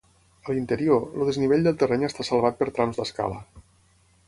A l'interior, el desnivell del terreny està salvat per trams d'escala.